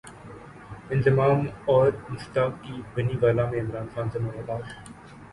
انضمام اور مشتاق کی بنی گالا میں عمران خان سے ملاقات